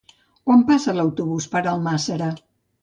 Quan passa l'autobús per Almàssera?